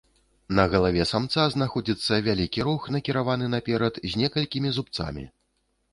На галаве самца знаходзіцца вялікі рог, накіраваны наперад, з некалькімі зубцамі.